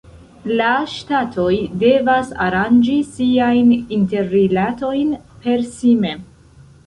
La ŝtatoj devas aranĝi siajn interrilatojn per si mem.